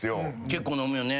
結構飲むよね。